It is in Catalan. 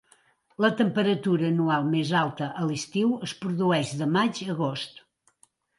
La temperatura anual més alta a l'estiu es produeix de maig a agost.